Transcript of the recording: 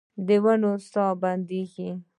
د ونو ساه بندیږې